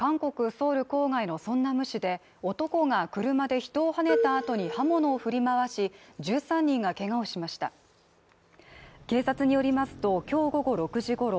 ソウル郊外のソンナム市で男が車で人をはねたあとに刃物を振り回し１３人がけがをしました警察によりますときょう午後６時ごろ